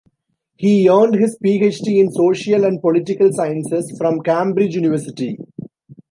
He earned his PhD in Social and Political Sciences from Cambridge University.